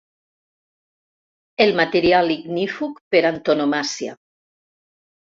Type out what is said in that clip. El material ignífug per antonomàsia.